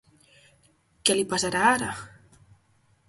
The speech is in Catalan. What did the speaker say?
Què li passarà ara?